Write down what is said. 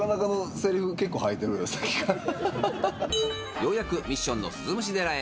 ようやくミッションの鈴虫寺へ。